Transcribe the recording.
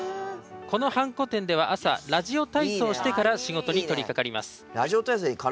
このハンコ店では朝ラジオ体操をしてから仕事に取りかかります。